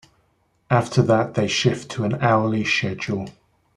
After that they shift to an hourly schedule.